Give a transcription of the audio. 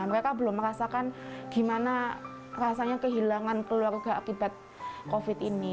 mereka belum merasakan gimana rasanya kehilangan keluarga akibat covid ini